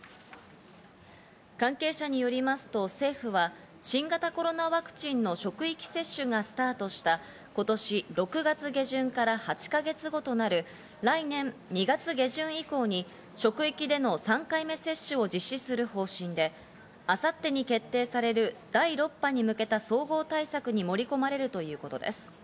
関係者によりますと政府は新型コロナワクチンの職域接種がスタートした今年６月下旬から８か月後となる来年２月下旬以降に職域での３回目接種を実施する方針で、明後日に決定される第６波に向けた総合対策に盛り込まれるということです。